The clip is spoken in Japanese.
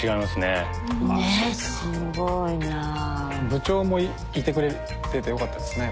部長もいてくれてて良かったですね